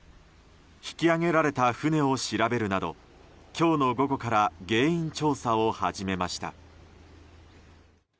引き揚げられた船を調べるなど今日の午後から原因調査を始めました。